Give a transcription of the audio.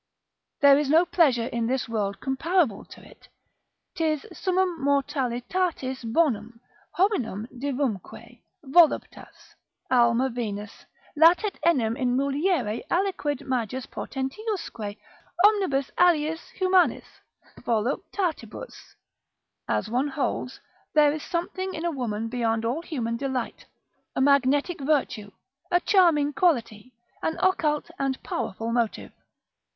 There is no pleasure in this world comparable to it, 'tis summum mortalitatis bonum— hominum divumque voluptas, Alma Venus—latet enim in muliere aliquid majus potentiusque, omnibus aliis humanis voluptatibus, as one holds, there's something in a woman beyond all human delight; a magnetic virtue, a charming quality, an occult and powerful motive.